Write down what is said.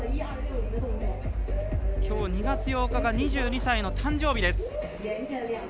きょう、２月８日が２２歳の誕生日です。